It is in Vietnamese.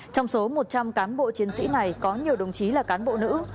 trong số một trăm linh cán bộ chiến sĩ này có nhiều đồng chí là cán bộ nữ